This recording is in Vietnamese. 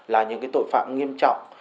là những tội phạm nghiêm trọng